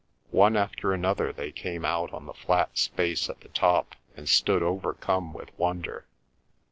One after another they came out on the flat space at the top and stood overcome with wonder.